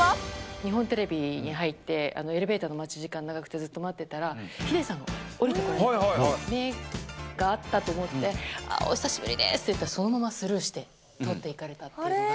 日本テレビに入って、エレベーターの待ち時間長くてずっと待ってたら、ヒデさんが降りてこられて、目が合ったと思って、お久しぶりですって言ったらそのままスルーして通っていかれたっていうのが。